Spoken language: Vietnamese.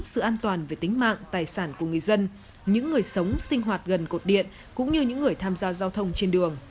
sự an toàn về tính mạng tài sản của người dân những người sống sinh hoạt gần cột điện cũng như những người tham gia giao thông trên đường